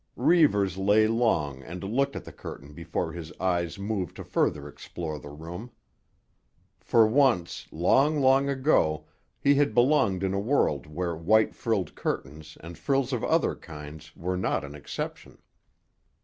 Reivers lay long and looked at the curtain before his eyes moved to further explore the room. For once, long, long ago, he had belonged in a world where white frilled curtains and frills of other kinds were not an exception.